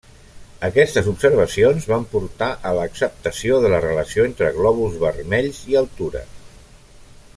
Aquestes observacions van portar a l'acceptació de la relació entre glòbuls vermells i altura.